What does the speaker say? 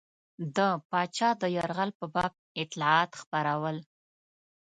د پاچا د یرغل په باب اطلاعات خپرول.